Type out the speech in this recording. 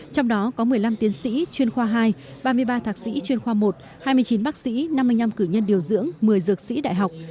trong đó có một mươi năm tiến sĩ chuyên khoa hai ba mươi ba thạc sĩ chuyên khoa một hai mươi chín bác sĩ năm mươi năm cử nhân điều dưỡng một mươi dược sĩ đại học